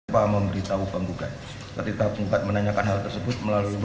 dan tergugat dengan sikap tersebut